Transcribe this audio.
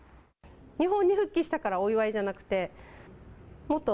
日本に復帰したからお祝いじゃなくて、もっと、